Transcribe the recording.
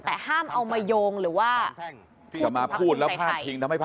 แต่ห้ามเอามาโยงหรือว่าคุมภาคคุมใจไทย